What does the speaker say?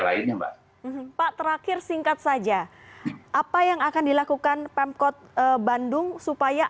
lainnya mbak pak terakhir singkat saja apa yang akan dilakukan pemkot bandung supaya